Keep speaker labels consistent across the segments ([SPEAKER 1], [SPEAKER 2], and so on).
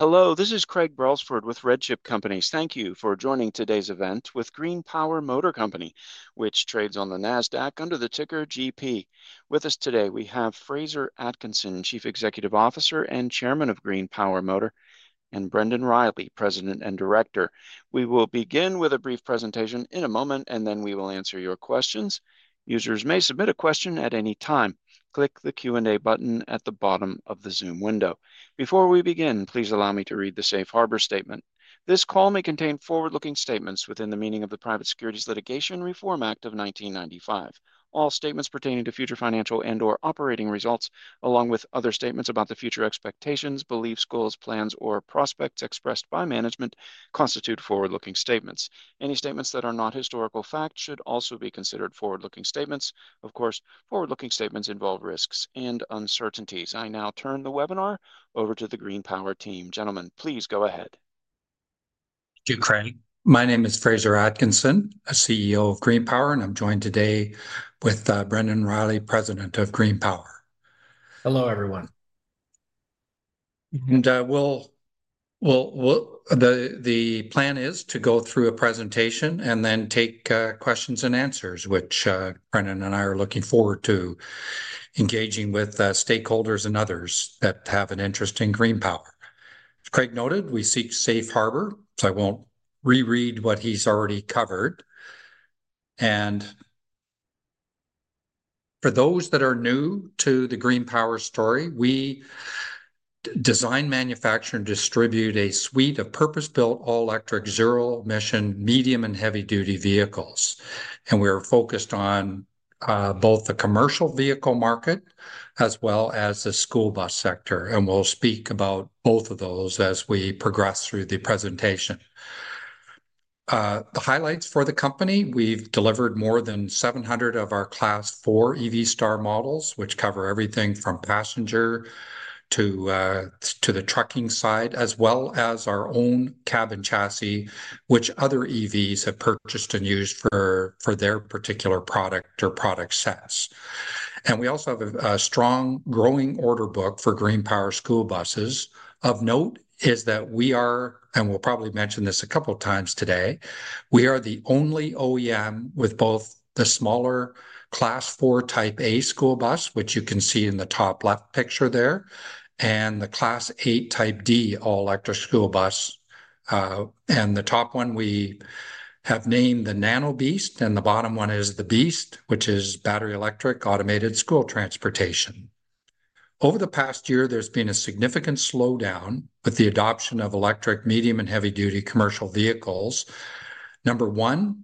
[SPEAKER 1] Hello, this is Craig Brelsford with RedChip Companies. Thank you for joining today's event with GreenPower Motor Company, which trades on the NASDAQ under the ticker GP. With us today, we have Fraser Atkinson, Chief Executive Officer and Chairman of GreenPower Motor, and Brendan Riley, President and Director. We will begin with a brief presentation in a moment, and then we will answer your questions. Users may submit a question at any time. Click the Q&A button at the bottom of the Zoom window. Before we begin, please allow me to read the safe harbor statement. This call may contain forward-looking statements within the meaning of the Private Securities Litigation Reform Act of 1995. All statements pertaining to future financial and/or operating results, along with other statements about the future expectations, beliefs, goals, plans, or prospects expressed by management constitute forward-looking statements. Any statements that are not historical fact should also be considered forward-looking statements. Of course, forward-looking statements involve risks and uncertainties. I now turn the webinar over to the GreenPower team. Gentlemen, please go ahead.
[SPEAKER 2] Thank you, Craig. My name is Fraser Atkinson, CEO of GreenPower, and I'm joined today with Brendan Riley, President of GreenPower.
[SPEAKER 3] Hello, everyone.
[SPEAKER 2] The plan is to go through a presentation and then take questions and answers, which Brendan and I are looking forward to engaging with stakeholders and others that have an interest in GreenPower. As Craig noted, we seek safe harbor, so I won't reread what he's already covered. For those that are new to the GreenPower story, we design, manufacture, and distribute a suite of purpose-built, all-electric, zero-emission, medium, and heavy-duty vehicles. We are focused on both the commercial vehicle market as well as the school bus sector. We'll speak about both of those as we progress through the presentation. The highlights for the company: we've delivered more than 700 of our Class 4 EV Star models, which cover everything from passenger to the trucking side, as well as our own cab and chassis, which other EVs have purchased and used for their particular product or product size. We also have a strong, growing order book for GreenPower school buses. Of note is that we are, and we'll probably mention this a couple of times today, the only OEM with both the smaller Class 4 Type A school bus, which you can see in the top left picture there, and the Class 8 Type D all-electric school bus. The top one we have named the Nano BEAST, and the bottom one is the BEAST, which is battery electric automated school transportation. Over the past year, there's been a significant slowdown with the adoption of electric, medium, and heavy-duty commercial vehicles. Number one,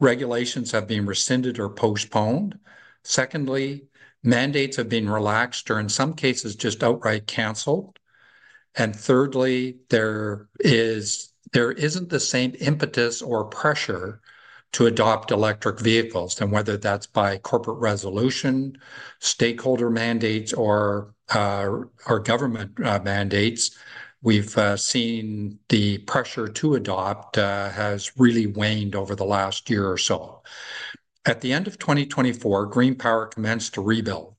[SPEAKER 2] regulations have been rescinded or postponed. Secondly, mandates have been relaxed or in some cases just outright canceled. Thirdly, there isn't the same impetus or pressure to adopt electric vehicles. Whether that's by corporate resolution, stakeholder mandates, or government mandates, we've seen the pressure to adopt has really waned over the last year or so. At the end of 2024, GreenPower commenced to rebuild.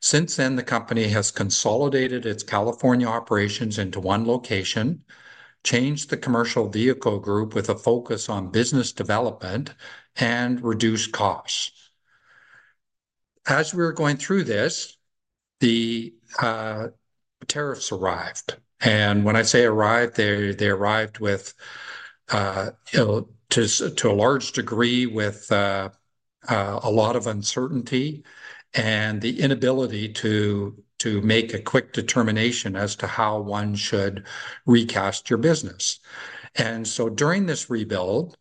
[SPEAKER 2] Since then, the company has consolidated its California operations into one location, changed the commercial vehicle group with a focus on business development, and reduced costs. As we were going through this, the tariffs arrived. When I say arrived, they arrived to a large degree with a lot of uncertainty and the inability to make a quick determination as to how one should recast your business. During this rebuild,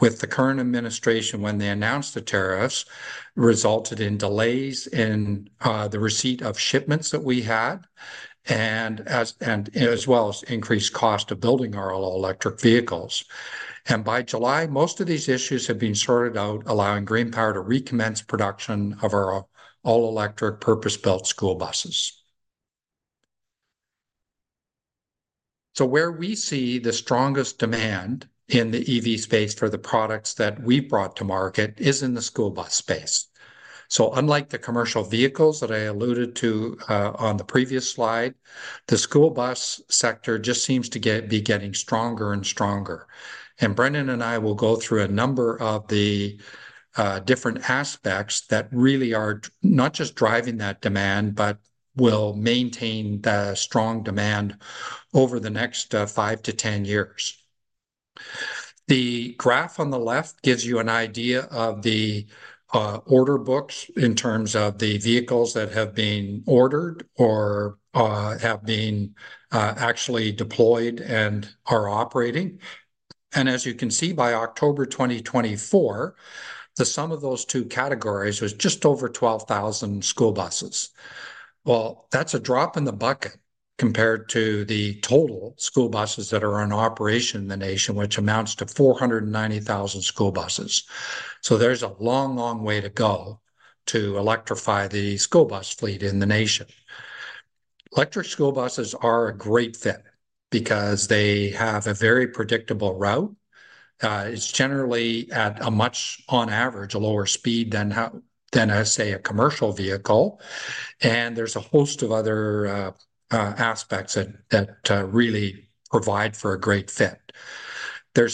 [SPEAKER 2] with the current administration, when they announced the tariffs, it resulted in delays in the receipt of shipments that we had, as well as increased cost of building our all-electric vehicles. By July, most of these issues have been sorted out, allowing GreenPower Motor to recommence production of our all-electric purpose-built school buses. Where we see the strongest demand in the EV space for the products that we've brought to market is in the school bus space. Unlike the commercial vehicles that I alluded to on the previous slide, the school bus sector just seems to be getting stronger and stronger. Brendan and I will go through a number of the different aspects that really are not just driving that demand, but will maintain the strong demand over the next five to ten years. The graph on the left gives you an idea of the order books in terms of the vehicles that have been ordered or have been actually deployed and are operating. As you can see, by October 2024, the sum of those two categories was just over 12,000 school buses. That is a drop in the bucket compared to the total school buses that are in operation in the nation, which amounts to 490,000 school buses. There is a long, long way to go to electrify the school bus fleet in the nation. Electric school buses are a great fit because they have a very predictable route. It's generally at a much, on average, lower speed than, say, a commercial vehicle. There is a host of other aspects that really provide for a great fit. There are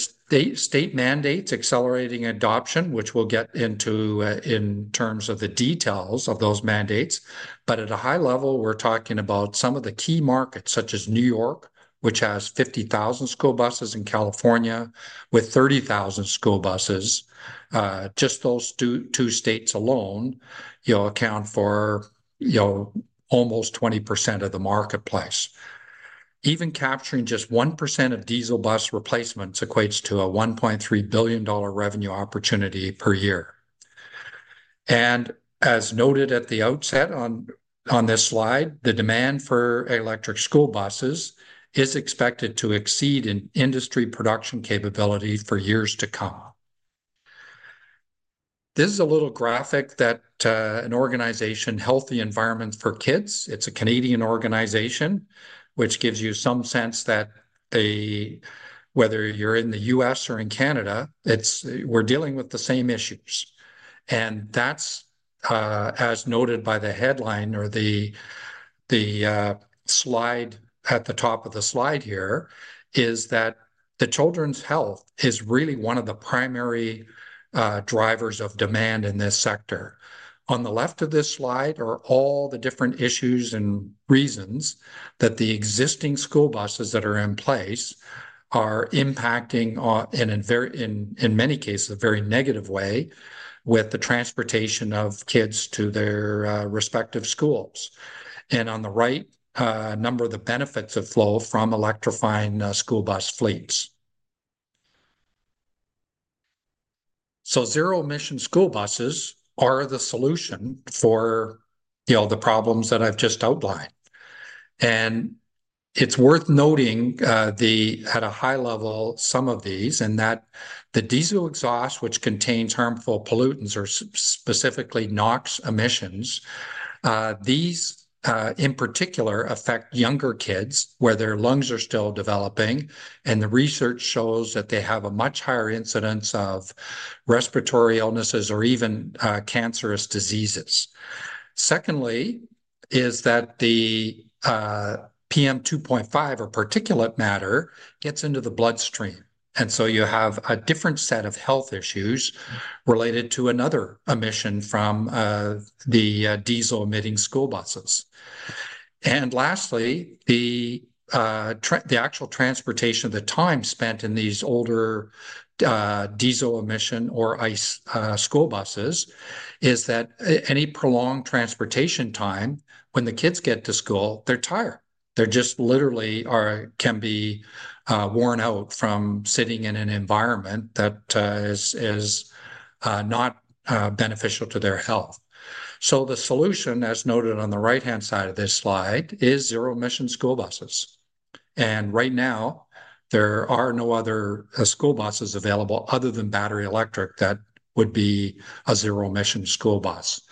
[SPEAKER 2] state mandates accelerating adoption, which we'll get into in terms of the details of those mandates. At a high level, we're talking about some of the key markets, such as New York, which has 50,000 school buses, and California, with 30,000 school buses. Just those two states alone account for almost 20% of the marketplace. Even capturing just 1% of diesel bus replacements equates to a $1.3 billion revenue opportunity per year. As noted at the outset on this slide, the demand for electric school buses is expected to exceed an industry production capability for years to come. This is a little graphic that an organization, Healthy Environments for Kids, a Canadian organization, gives you some sense that whether you're in the U.S. or in Canada, we're dealing with the same issues. As noted by the headline or the slide at the top of the slide here, children's health is really one of the primary drivers of demand in this sector. On the left of this slide are all the different issues and reasons that the existing school buses that are in place are impacting, in many cases, a very negative way with the transportation of kids to their respective schools. On the right, a number of the benefits flow from electrifying school bus fleets. Zero-emission school buses are the solution for the problems that I've just outlined. It is worth noting at a high level some of these in that the diesel exhaust, which contains harmful pollutants or specifically NOx emissions, in particular affect younger kids where their lungs are still developing, and the research shows that they have a much higher incidence of respiratory illnesses or even cancerous diseases. Secondly, the PM 2.5 or particulate matter gets into the bloodstream. You have a different set of health issues related to another emission from the diesel emitting school buses. Lastly, the actual transportation of the time spent in these older diesel emission or school buses is that any prolonged transportation time when the kids get to school, they're tired. They just literally can be worn out from sitting in an environment that is not beneficial to their health. The solution, as noted on the right-hand side of this slide, is zero-emission school buses. Right now, there are no other school buses available other than battery electric that would be a zero-emission school bus.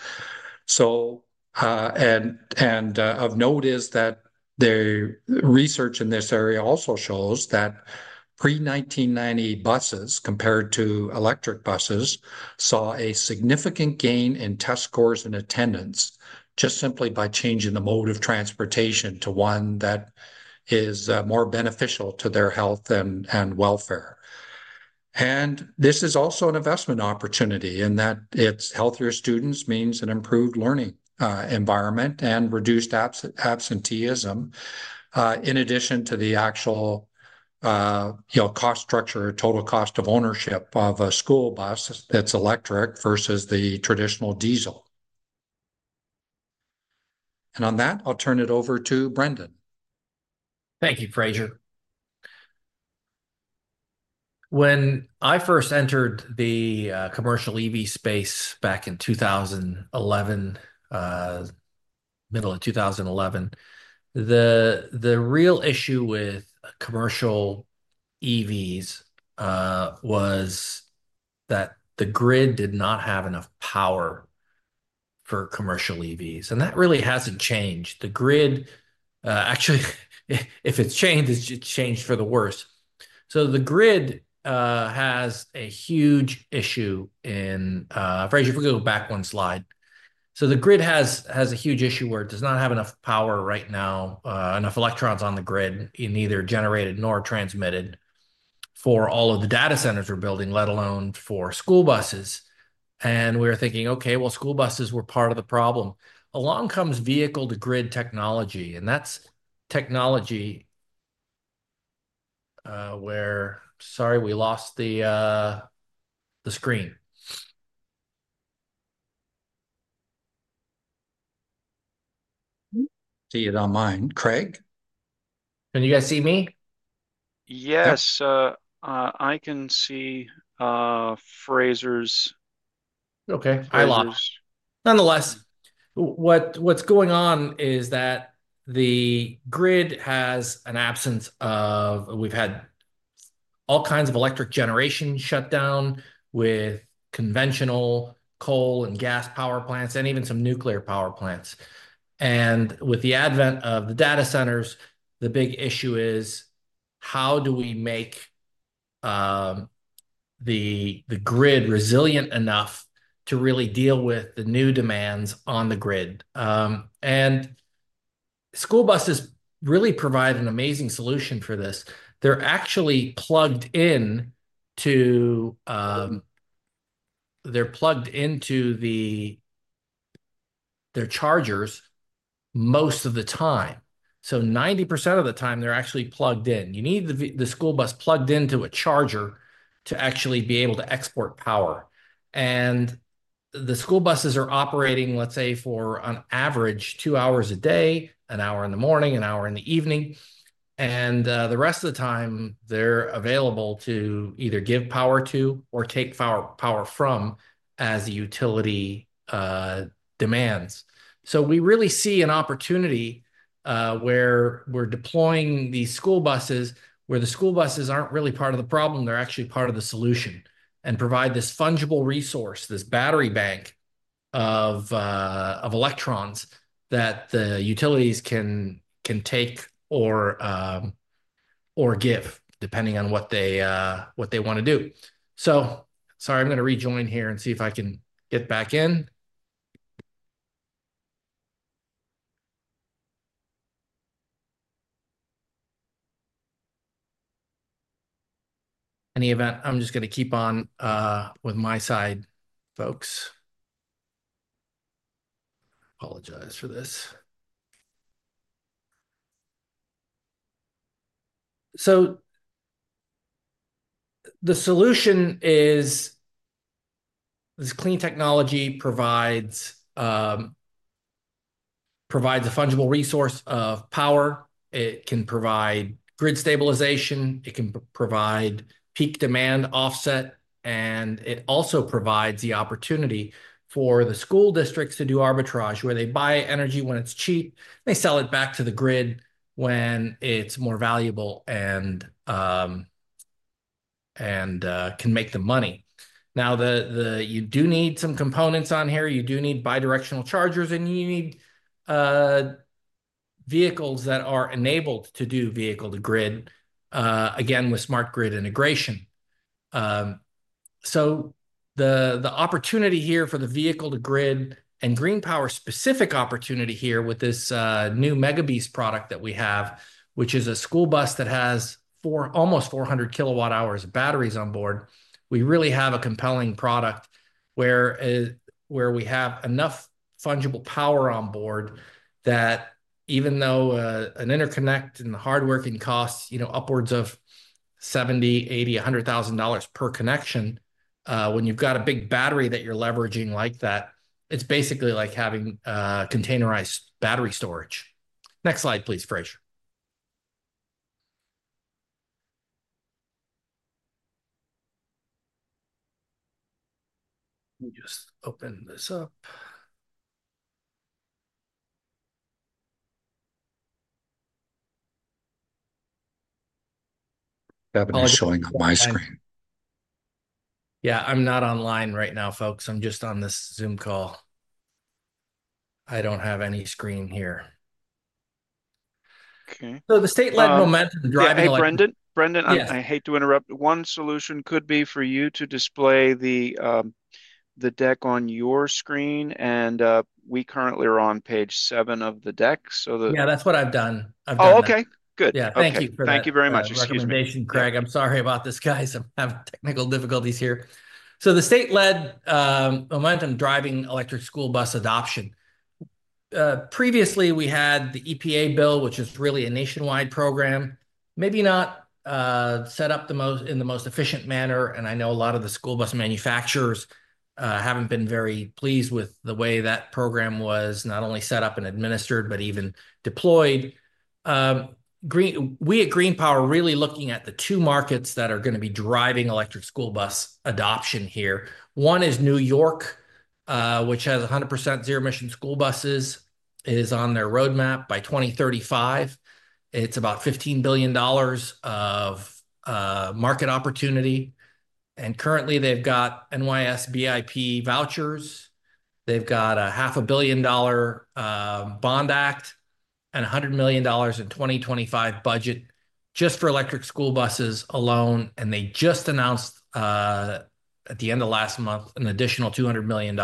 [SPEAKER 2] Of note is that the research in this area also shows that pre-1990 buses compared to electric buses saw a significant gain in test scores and attendance just simply by changing the mode of transportation to one that is more beneficial to their health and welfare. This is also an investment opportunity in that it's healthier students, means an improved learning environment, and reduced absenteeism in addition to the actual cost structure, total cost of ownership of a school bus that's electric versus the traditional diesel. On that, I'll turn it over to Brendan.
[SPEAKER 3] Thank you, Fraser. When I first entered the commercial EV space back in 2011, middle of 2011, the real issue with commercial EVs was that the grid did not have enough power for commercial EVs. That really hasn't changed. The grid, actually, if it's changed, it's changed for the worse. The grid has a huge issue in, Fraser, if we go back one slide. The grid has a huge issue where it does not have enough power right now, enough electrons on the grid, neither generated nor transmitted for all of the data centers we're building, let alone for school buses. We were thinking, okay, school buses were part of the problem. Along comes vehicle-to-grid technology, and that's technology where, sorry, we lost the screen.
[SPEAKER 2] See it on mine, Craig?
[SPEAKER 3] Can you guys see me?
[SPEAKER 1] Yes, I can see Fraser's.
[SPEAKER 3] Okay, I lost. Nonetheless, what's going on is that the grid has an absence of, we've had all kinds of electric generation shut down with conventional coal and gas power plants and even some nuclear power plants. With the advent of the data centers, the big issue is how do we make the grid resilient enough to really deal with the new demands on the grid? School buses really provide an amazing solution for this. They're actually plugged into their chargers most of the time. 90% of the time, they're actually plugged in. You need the school bus plugged into a charger to actually be able to export power. The school buses are operating, let's say, for an average two hours a day, an hour in the morning, an hour in the evening. The rest of the time, they're available to either give power to or take power from as the utility demands. We really see an opportunity where we're deploying these school buses where the school buses aren't really part of the problem. They're actually part of the solution and provide this fungible resource, this battery bank of electrons that the utilities can take or give, depending on what they want to do. Sorry, I'm going to rejoin here and see if I can get back in. In the event, I'm just going to keep on with my side, folks. Apologize for this. The solution is this clean technology provides a fungible resource of power. It can provide grid stabilization. It can provide peak demand offset. It also provides the opportunity for the school districts to do arbitrage where they buy energy when it's cheap, and they sell it back to the grid when it's more valuable and can make them money. You do need some components on here. You do need bidirectional chargers, and you need vehicles that are enabled to do vehicle-to-grid, again, with smart grid integration. The opportunity here for the vehicle-to-grid and GreenPower-specific opportunity here with this new Mega BEAST product that we have, which is a school bus that has almost 400 KWh of batteries on board, we really have a compelling product where we have enough fungible power on board that even though an interconnect and the hard working costs, you know, upwards of $70,000, $80,000, $100,000 per connection, when you've got a big battery that you're leveraging like that, it's basically like having containerized battery storage. Next slide, please, Fraser.
[SPEAKER 1] Let me just open this up.
[SPEAKER 2] I'm just showing on my screen.
[SPEAKER 3] I'm not online right now, folks. I'm just on this Zoom call. I don't have any screen here.
[SPEAKER 1] Okay.
[SPEAKER 3] The state-led momentum driving like.
[SPEAKER 1] Brendan, I hate to interrupt. One solution could be for you to display the deck on your screen, and we currently are on page seven of the deck.
[SPEAKER 3] Yeah, that's what I've done.
[SPEAKER 1] Oh, okay. Good.
[SPEAKER 3] Yeah, thank you for that.
[SPEAKER 1] Thank you very much.
[SPEAKER 3] Congratulations, Craig. I'm sorry about this, guys. I'm having technical difficulties here. The state-led momentum driving electric school bus adoption. Previously, we had the EPA bill, which is really a nationwide program, maybe not set up in the most efficient manner, and I know a lot of the school bus manufacturers haven't been very pleased with the way that program was not only set up and administered, but even deployed. We at GreenPower are really looking at the two markets that are going to be driving electric school bus adoption here. One is New York, which has 100% zero-emission school buses, is on their roadmap by 2035. It's about $15 billion of market opportunity. Currently, they've got NYSBIP vouchers. They've got a half a billion dollar bond act and $100 million in 2025 budget just for electric school buses alone. They just announced, at the end of last month, an additional $200 million.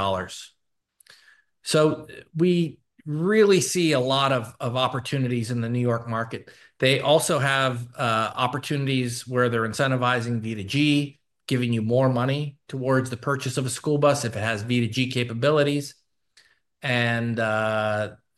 [SPEAKER 3] We really see a lot of opportunities in the New York market. They also have opportunities where they're incentivizing V2G, giving you more money towards the purchase of a school bus if it has V2G capabilities.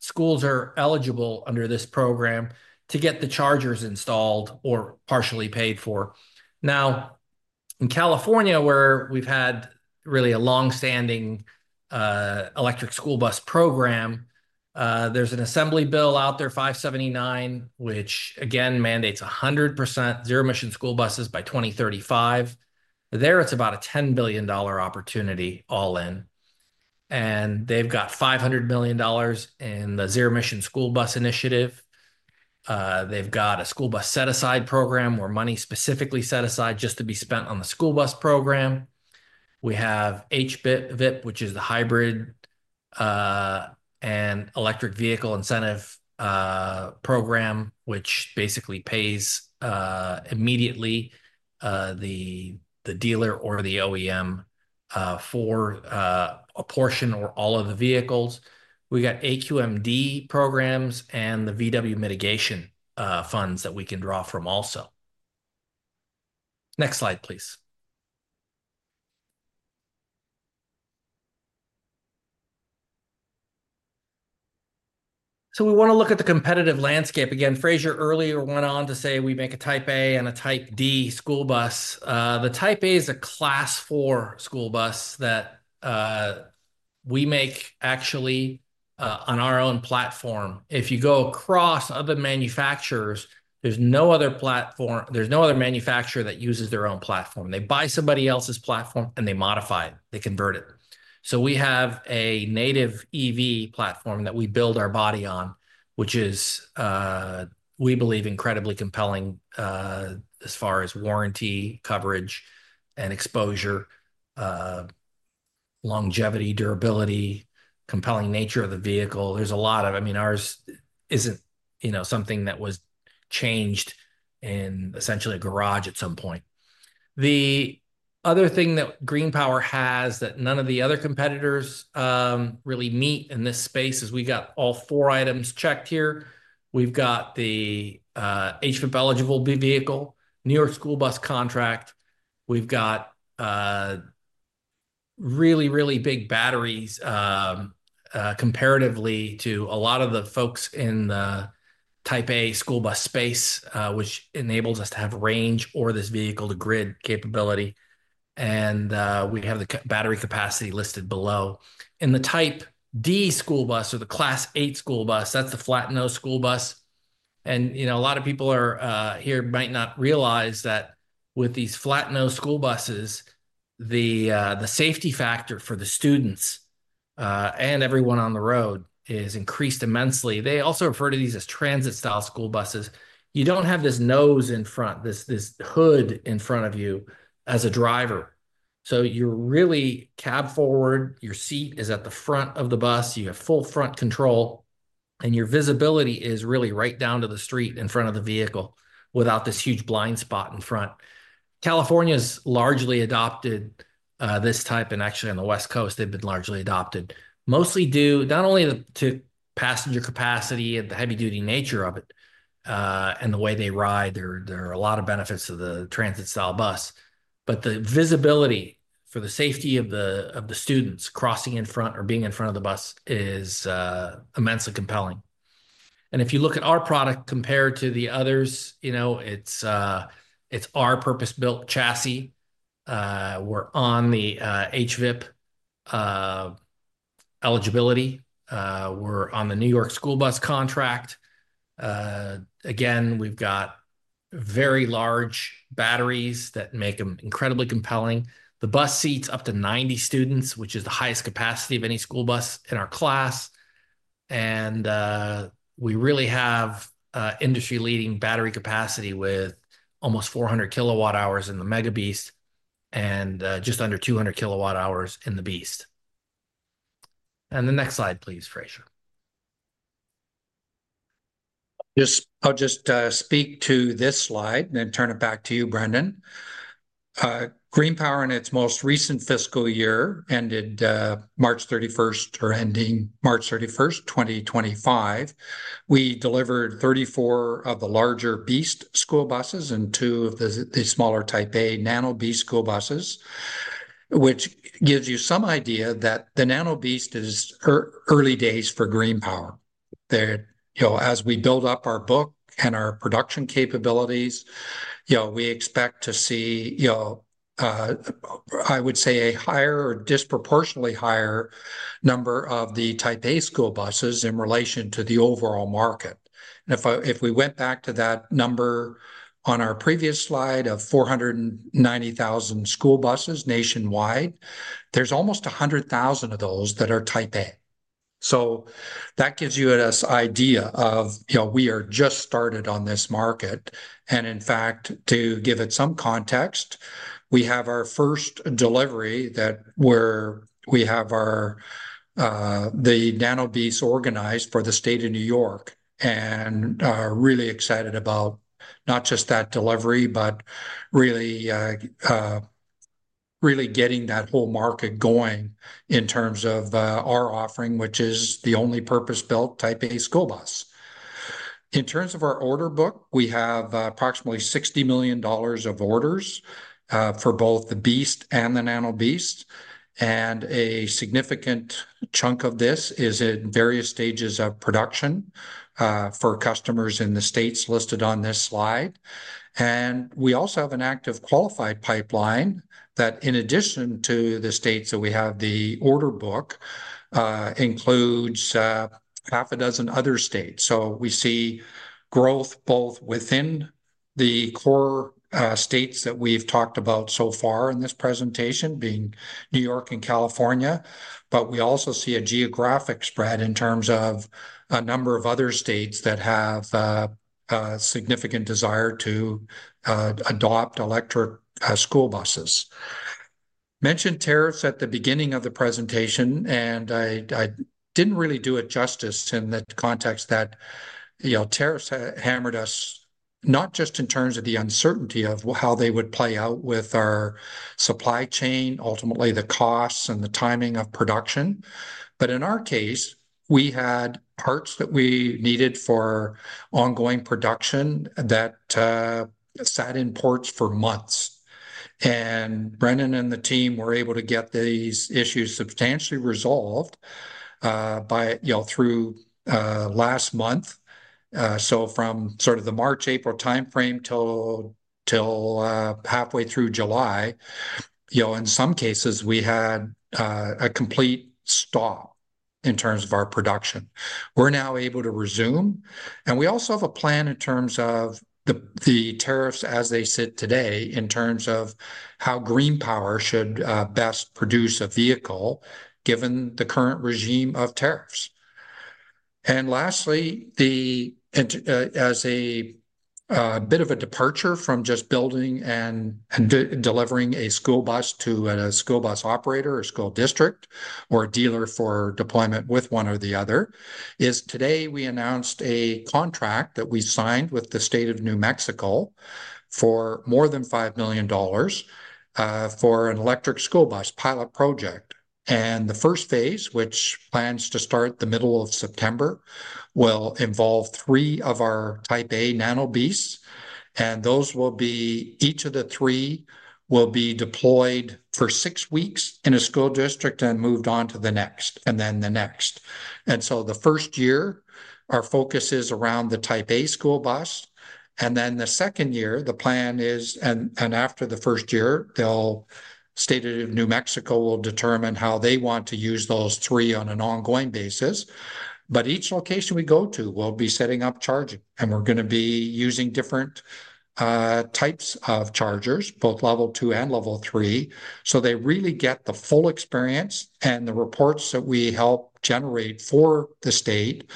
[SPEAKER 3] Schools are eligible under this program to get the chargers installed or partially paid for. In California, where we've had really a longstanding electric school bus program, there's an assembly bill out there, 579, which again mandates 100% zero-emission school buses by 2035. There, it's about a $10 billion opportunity all in. They've got $500 million in the zero-emission school bus initiative. They've got a school bus set-aside program where money is specifically set aside just to be spent on the school bus program. We have HVIP, which is the Hybrid and Electric Vehicle Incentive Program, which basically pays immediately the dealer or the OEM for a portion or all of the vehicles. We got AQMD programs and the VW mitigation funds that we can draw from also. Next slide, please. We want to look at the competitive landscape. Fraser earlier went on to say we make a Type A and a Type D school bus. The Type A is a Class 4 school bus that we make actually on our own platform. If you go across other manufacturers, there's no other platform, there's no other manufacturer that uses their own platform. They buy somebody else's platform and they modify it. They convert it. We have a native EV platform that we build our body on, which is, we believe, incredibly compelling as far as warranty, coverage, and exposure, longevity, durability, compelling nature of the vehicle. Ours isn't something that was changed in essentially a garage at some point. The other thing that GreenPower has that none of the other competitors really meet in this space is we've got all four items checked here. We've got the HVIP-eligible vehicle, New York school bus contract. We've got really, really big batteries comparatively to a lot of the folks in the Type A school bus space, which enables us to have range or this vehicle-to-grid capability. We have the battery capacity listed below. In the Type D school bus or the Class 8 school bus, that's the flat nose school bus. A lot of people here might not realize that with these flat nose school buses, the safety factor for the students and everyone on the road is increased immensely. They also refer to these as transit-style school buses. You don't have this nose in front, this hood in front of you as a driver. You're really cab forward. Your seat is at the front of the bus. You have full front control, and your visibility is really right down to the street in front of the vehicle without this huge blind spot in front. California's largely adopted this type, and actually on the West Coast, they've been largely adopted, mostly due not only to passenger capacity and the heavy-duty nature of it and the way they ride. There are a lot of benefits of the transit-style bus. The visibility for the safety of the students crossing in front or being in front of the bus is immensely compelling. If you look at our product compared to the others, it's our purpose-built chassis. We're on the HVIP eligibility. We're on the New York school bus contract. We've got very large batteries that make them incredibly compelling. The bus seats up to 90 students, which is the highest capacity of any school bus in our class. We really have industry-leading battery capacity with almost 400 KWh in the Mega BEAST and just under 200 KWh in the BEAST. The next slide, please, Fraser.
[SPEAKER 2] I'll just speak to this slide and then turn it back to you, Brendan. GreenPower in its most recent fiscal year ended March 31st, or ending March 31st, 2025. We delivered 34 of the larger BEAST school buses and two of the smaller Type A Nano BEAST school buses, which gives you some idea that the Nano BEAST is early days for GreenPower. As we build up our book and our production capabilities, we expect to see, I would say, a higher or disproportionately higher number of the Type A school buses in relation to the overall market. If we went back to that number on our previous slide of 490,000 school buses nationwide, there's almost 100,000 of those that are Type A. That gives you an idea of, you know, we are just started on this market. In fact, to give it some context, we have our first delivery that we have the Nano BEAST organized for the state of New York and are really excited about not just that delivery, but really getting that whole market going in terms of our offering, which is the only purpose-built Type A school bus. In terms of our order book, we have approximately $60 million of orders for both the BEAST and the Nano BEAST. A significant chunk of this is in various stages of production for customers in the states listed on this slide. We also have an active qualified pipeline that, in addition to the states that we have the order book, includes half a dozen other states. We see growth both within the core states that we've talked about so far in this presentation, being New York and California. We also see a geographic spread in terms of a number of other states that have a significant desire to adopt electric school buses. Mentioned tariffs at the beginning of the presentation, and I didn't really do it justice in the context that tariffs hammered us not just in terms of the uncertainty of how they would play out with our supply chain, ultimately the costs and the timing of production. In our case, we had parts that we needed for ongoing production that sat in ports for months. Brendan and the team were able to get these issues substantially resolved through last month. From sort of the March, April timeframe till halfway through July, in some cases, we had a complete stall in terms of our production. We're now able to resume. We also have a plan in terms of the tariffs as they sit today in terms of how GreenPower should best produce a vehicle given the current regime of tariffs. Lastly, as a bit of a departure from just building and delivering a school bus to a school bus operator or school district or a dealer for deployment with one or the other, today we announced a contract that we signed with the state of New Mexico for more than $5 million for an electric school bus pilot project. The first phase, which plans to start the middle of September, will involve three of our Type A Nano BEASTs. Each of the three will be deployed for six weeks in a school district and moved on to the next and then the next. In the first year, our focus is around the Type A school bus. In the second year, the plan is, and after the first year, the state in New Mexico will determine how they want to use those three on an ongoing basis. Each location we go to, we'll be setting up charging. We are going to be using different types of chargers, both level two and level three, so they really get the full experience. The reports that we help generate for the state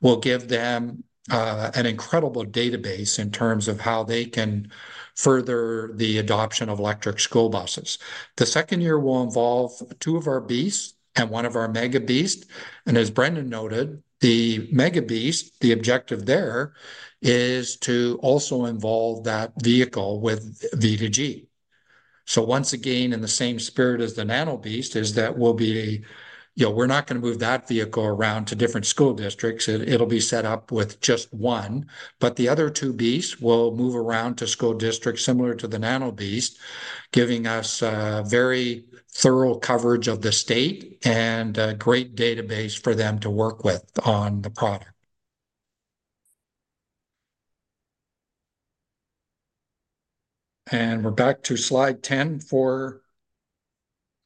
[SPEAKER 2] will give them an incredible database in terms of how they can further the adoption of electric school buses. The second year will involve two of our BEASTs and one of our Mega BEASTs. As Brendan noted, the Mega BEAST, the objective there is to also involve that vehicle with V2G. Once again, in the same spirit as the Nano BEAST, we are not going to move that vehicle around to different school districts. It will be set up with just one. The other two BEASTs will move around to school districts similar to the Nano BEAST, giving us a very thorough coverage of the state and a great database for them to work with on the product. We are back to slide 10 for.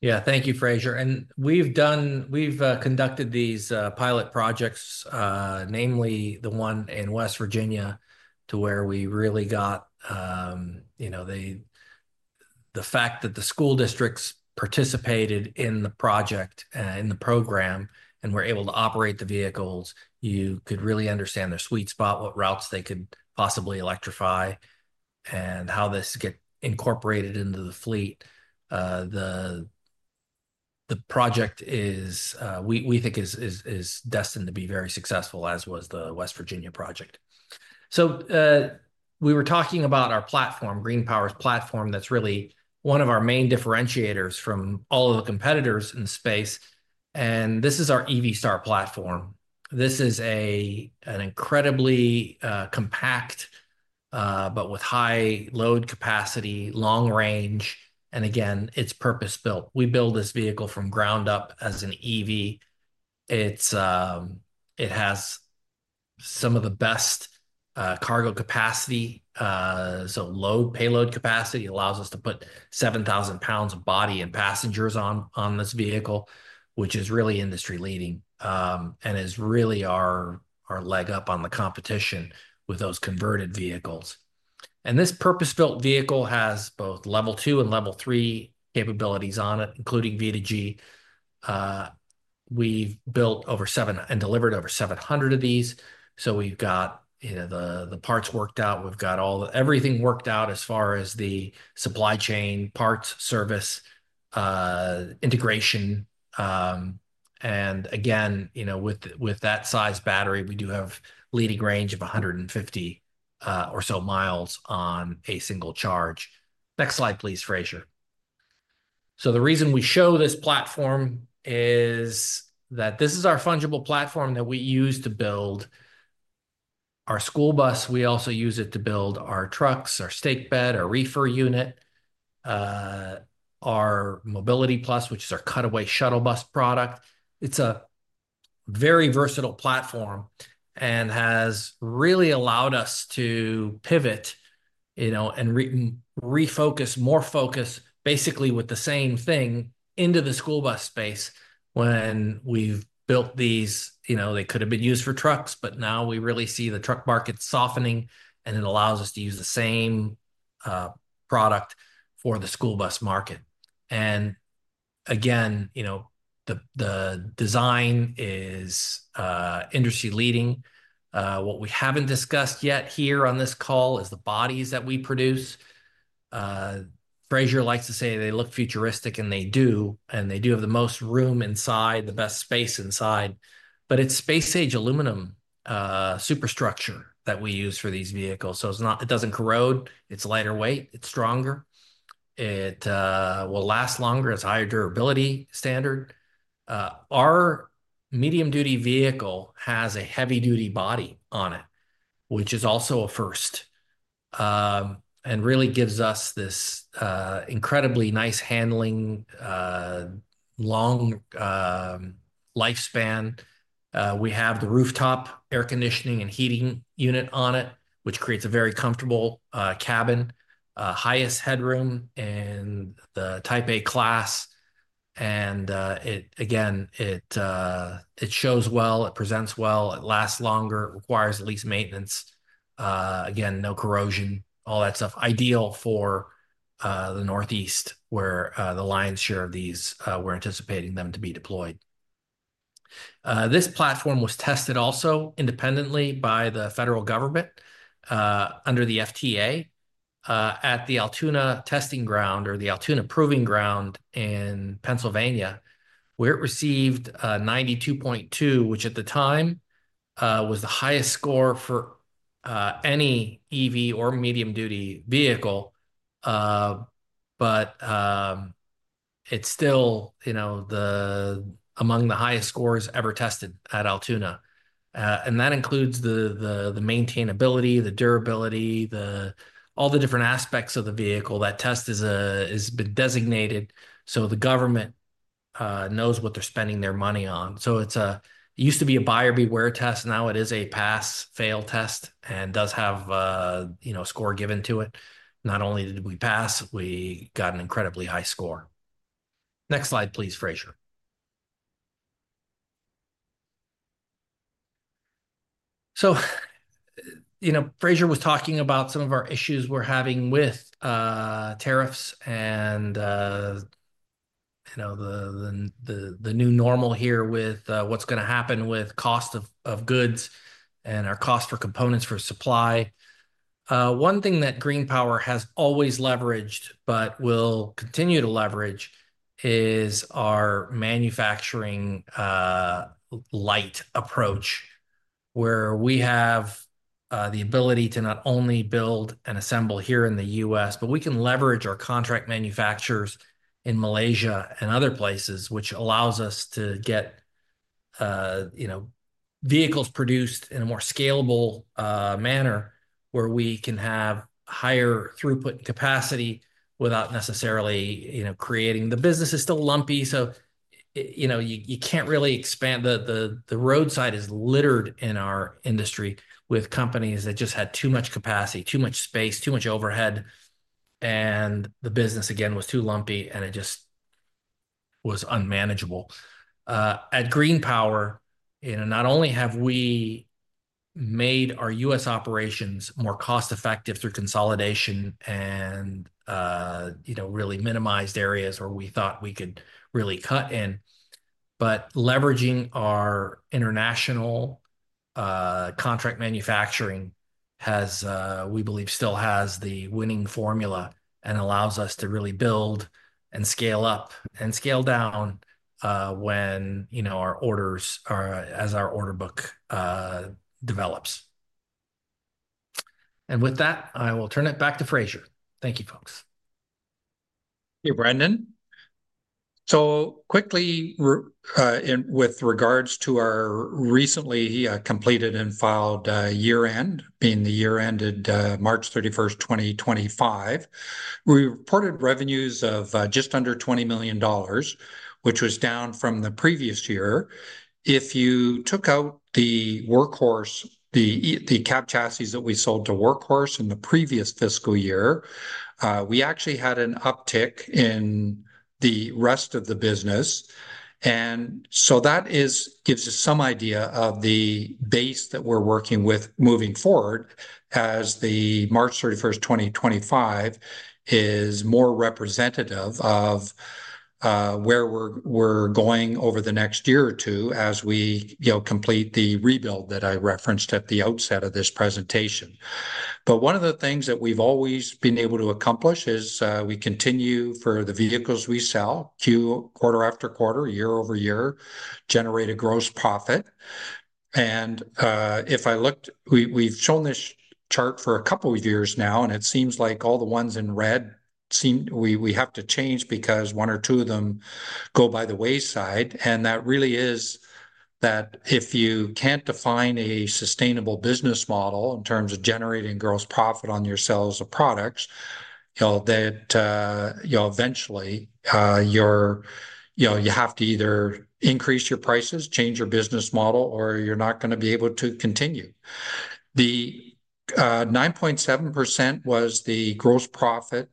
[SPEAKER 3] Thank you, Fraser. We've conducted these pilot projects, namely the one in West Virginia, where we really got the fact that the school districts participated in the project, in the program, and were able to operate the vehicles. You could really understand their sweet spot, what routes they could possibly electrify, and how this gets incorporated into the fleet. The project is destined to be very successful, as was the West Virginia project. We were talking about our platform, GreenPower's platform, that's really one of our main differentiators from all of the competitors in the space. This is our EV Star platform. This is incredibly compact, but with high load capacity, long range, and again, it's purpose-built. We build this vehicle from ground up as an EV. It has some of the best cargo capacity. Load payload capacity allows us to put 7,000 pounds of body and passengers on this vehicle, which is really industry-leading and is really our leg up on the competition with those converted vehicles. This purpose-built vehicle has both level two and level three capabilities on it, including V2G. We've built and delivered over 700 of these. We've got the parts worked out. We've got everything worked out as far as the supply chain, parts, service, integration. With that size battery, we do have a leading range of 150 or so miles on a single charge. Next slide, please, Fraser. The reason we show this platform is that this is our fungible platform that we use to build our school bus. We also use it to build our trucks, our stake bed, our reefer unit, our Mobility Plus, which is our cutaway shuttle bus product. It's a very versatile platform and has really allowed us to pivot and refocus more focus, basically with the same thing into the school bus space. When we've built these, they could have been used for trucks, but now we really see the truck market softening, and it allows us to use the same product for the school bus market. The design is industry-leading. What we haven't discussed yet here on this call is the bodies that we produce. Fraser likes to say they look futuristic, and they do. They do have the most room inside, the best space inside. It's space-age aluminum superstructure that we use for these vehicles. It doesn't corrode. It's lighter weight. It's stronger. It will last longer. It's higher durability standard. Our medium-duty vehicle has a heavy-duty body on it, which is also a first and really gives us this incredibly nice handling, long lifespan. We have the rooftop air conditioning and heating unit on it, which creates a very comfortable cabin, highest headroom in the Type A class. Again, it shows well. It presents well. It lasts longer. It requires at least maintenance. Again, no corrosion, all that stuff. Ideal for the Northeast, where the lion's share of these, we're anticipating them to be deployed. This platform was tested also independently by the federal government under the FTA at the Altoona Testing Ground or the Altoona Proving Ground in Pennsylvania, where it received a 92.2, which at the time was the highest score for any EV or medium-duty vehicle. It's still, you know, among the highest scores ever tested at Altoona. That includes the maintainability, the durability, all the different aspects of the vehicle. That test has been designated so the government knows what they're spending their money on. It used to be a buyer beware test. Now it is a pass-fail test and does have a score given to it. Not only did we pass, we got an incredibly high score. Next slide, please, Fraser. Fraser was talking about some of our issues we're having with tariffs and, you know, the new normal here with what's going to happen with cost of goods and our cost for components for supply. One thing that GreenPower has always leveraged, but will continue to leverage, is our manufacturing light approach, where we have the ability to not only build and assemble here in the U.S., but we can leverage our contract manufacturers in Malaysia and other places, which allows us to get, you know, vehicles produced in a more scalable manner where we can have higher throughput and capacity without necessarily, you know, creating the business is still lumpy. You can't really expand. The roadside is littered in our industry with companies that just had too much capacity, too much space, too much overhead. The business, again, was too lumpy, and it just was unmanageable. At GreenPower, not only have we made our U.S. operations more cost-effective through consolidation and really minimized areas where we thought we could really cut in, but leveraging our international contract manufacturing has, we believe, still has the winning formula and allows us to really build and scale up and scale down when our orders are, as our order book develops. With that, I will turn it back to Fraser. Thank you, folks.
[SPEAKER 2] Here, Brendan. Quickly, with regards to our recently completed and filed year-end, being the year ended March 31st, 2025, we reported revenues of just under $20 million, which was down from the previous year. If you took out the Workhorse, the cab chassis that we sold to Workhorse in the previous fiscal year, we actually had an uptick in the rest of the business. That gives us some idea of the base that we're working with moving forward as the March 31st, 2025 is more representative of where we're going over the next year or two as we complete the rebuild that I referenced at the outset of this presentation. One of the things that we've always been able to accomplish is we continue for the vehicles we sell, quarter after quarter, year-over-year, generate a gross profit. If I looked, we've shown this chart for a couple of years now, and it seems like all the ones in red seem we have to change because one or two of them go by the wayside. That really is that if you can't define a sustainable business model in terms of generating gross profit on your sales of products, you know, eventually you have to either increase your prices, change your business model, or you're not going to be able to continue. The 9.7% was the gross profit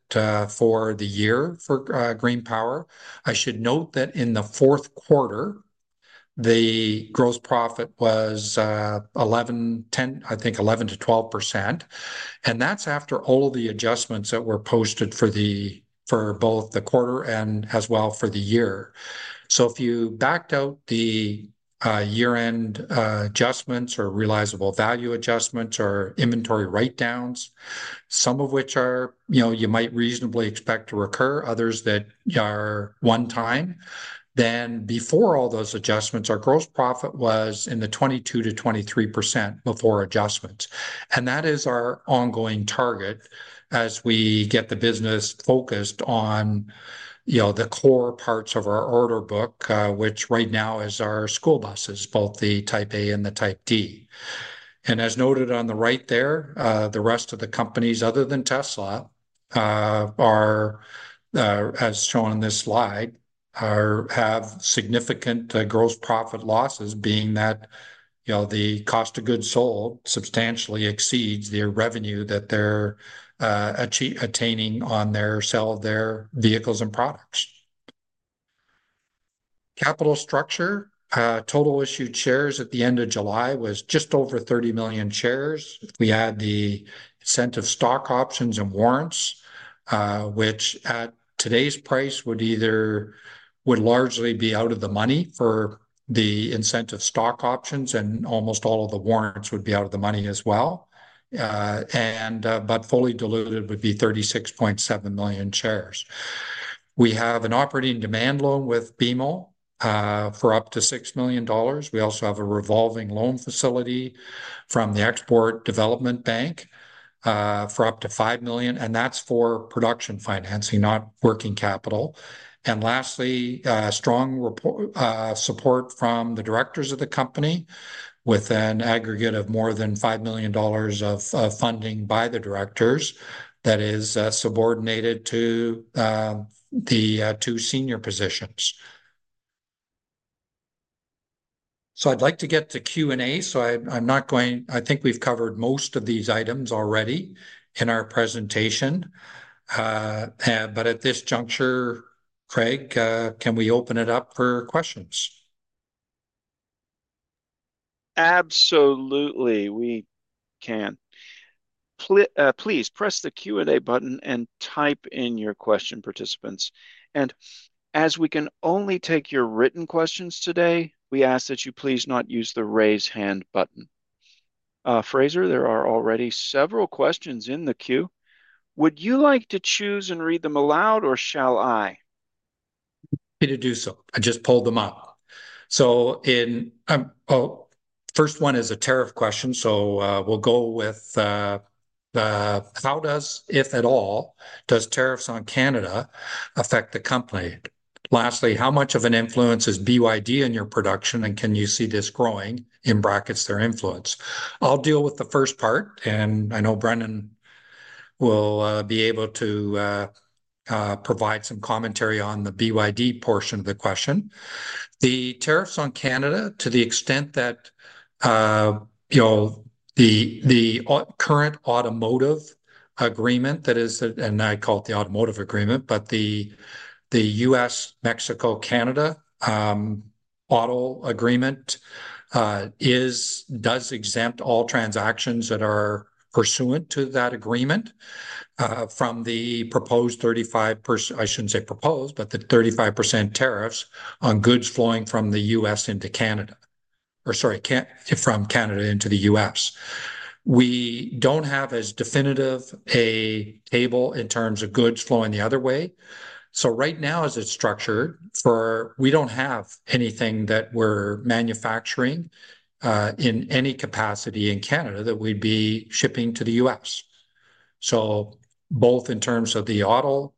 [SPEAKER 2] for the year for GreenPower. I should note that in the fourth quarter, the gross profit was 11%, 10%, I think 11%-12%. That's after all of the adjustments that were posted for both the quarter and as well for the year. If you backed out the year-end adjustments or realizable value adjustments or inventory write-downs, some of which are, you know, you might reasonably expect to recur, others that are one-time, then before all those adjustments, our gross profit was in the 22%-23% before adjustments. That is our ongoing target as we get the business focused on, you know, the core parts of our order book, which right now is our school buses, both the Type A and the Type D. As noted on the right there, the rest of the companies other than Tesla are, as shown on this slide, have significant gross profit losses, being that, you know, the cost of goods sold substantially exceeds their revenue that they're attaining on their sale of their vehicles and products. Capital structure, total issued shares at the end of July was just over 30 million shares. We had the incentive stock options and warrants, which at today's price would either largely be out of the money for the incentive stock options, and almost all of the warrants would be out of the money as well. Fully diluted would be 36.7 million shares. We have an operating demand loan with BMO for up to $6 million. We also have a revolving loan facility from the Export Development Bank for up to $5 million, and that's for production financing, not working capital. Lastly, strong support from the directors of the company with an aggregate of more than $5 million of funding by the directors that is subordinated to the two senior positions. I'd like to get to Q&A. I think we've covered most of these items already in our presentation. At this juncture, Craig, can we open it up for questions?
[SPEAKER 1] Absolutely, we can. Please press the Q&A button and type in your question, participants. As we can only take your written questions today, we ask that you please not use the raise hand button. Fraser, there are already several questions in the queue. Would you like to choose and read them aloud, or shall I?
[SPEAKER 2] I need to do so. I just pulled them up. First one is a tariff question. We'll go with, how does, if at all, do tariffs on Canada affect the company? Lastly, how much of an influence is BYD in your production, and can you see this growing? In brackets, their influence. I'll deal with the first part, and I know Brendan will be able to provide some commentary on the BYD portion of the question. The tariffs on Canada, to the extent that the current automotive agreement, that is, and I call it the automotive agreement, but the U.S.-Mexico-Canada auto agreement does exempt all transactions that are pursuant to that agreement from the 35% tariffs on goods flowing from the U.S. into Canada, or sorry, from Canada into the U.S. We don't have as definitive a table in terms of goods flowing the other way. Right now, as it's structured, we don't have anything that we're manufacturing in any capacity in Canada that we'd be shipping to the U.S. Both in terms of the auto